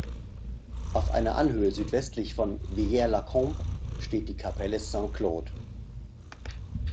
Auf einer Anhöhe südwestlich von Villers-la-Combe steht die Kapelle Saint-Claude.